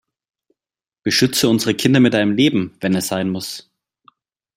Beschütze unsere Kinder mit deinem Leben, wenn es sein muss!